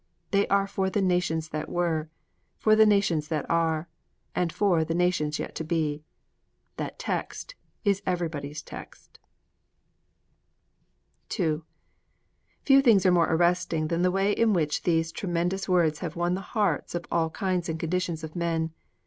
They are for the Nations that were, for the Nations that are, and for the Nations yet to be. That Text is EVERYBODY'S TEXT. II Few things are more arresting than the way in which these tremendous words have won the hearts of all kinds and conditions of men.